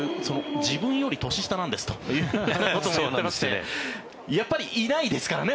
自分より年下なんですと言っていましてやっぱりいないですからね。